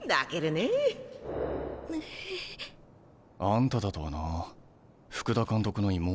あんただとはな福田監督の妹。